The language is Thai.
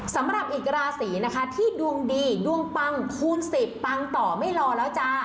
สำหรับอีกราศีนะคะที่ดวงดีดวงปังคูณ๑๐ปังต่อไม่รอแล้วจ้า